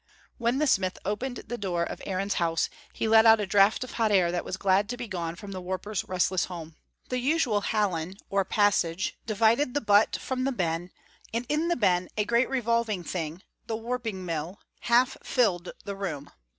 When the smith opened the door of Aaron's house he let out a draught of hot air that was glad to be gone from the warper's restless home. The usual hallan, or passage, divided the but from the ben, and in the ben a great revolving thing, the warping mill, half filled the room.